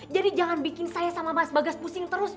jadi jangan bikin saya sama mas bagas pusing terus bu